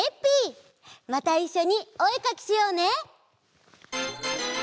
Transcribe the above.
またいっしょにおえかきしようね！